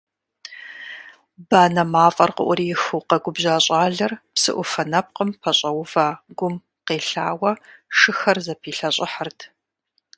Банэ мафӀэр къыӀурихыу къэгубжьа щӀалэр псыӀуфэ нэпкъым пэщӀэува гум къелъауэ, шыхэр зэпилъэщӀыхьырт.